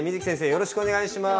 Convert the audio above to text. よろしくお願いします。